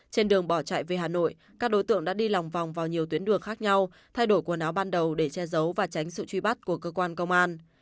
trên đường bỏ chạy về hà nội các đối tượng đã đi lòng vòng vào nhiều tuyến đường khác nhau thay đổi quần áo ban đầu để che giấu và tránh sự truy bắt của cơ quan công an